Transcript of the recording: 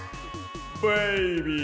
ベイビー！